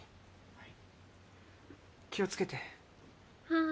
はい。